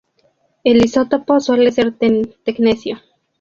El isótopo suele ser tecnecio.